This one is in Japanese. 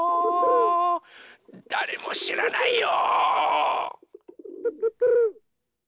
だれもしらないよ。